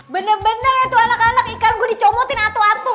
bener bener ya tuh anak anak ikan gue dicomotin atu atu